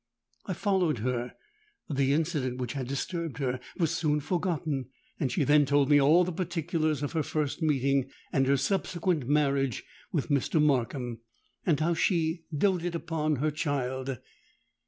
I followed her: the incident which had disturbed her was soon forgotten; and she then told me all the particulars of her first meeting and her subsequent marriage with Mr. Markham. And how she doted upon her child!